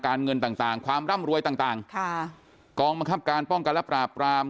การเงินต่างความร่ำรวยต่างกองบังคับการป้องการปราบราม